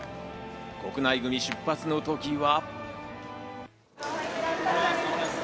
国内組、出発の時は。